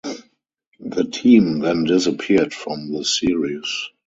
The team then disappeared from the series.